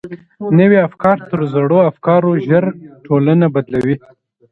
نوي افکار تر زړو افکارو ژر ټولنه بدلوي.